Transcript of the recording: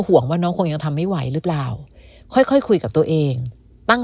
ห่วงว่าน้องคงยังทำไม่ไหวหรือเปล่าค่อยค่อยคุยกับตัวเองตั้ง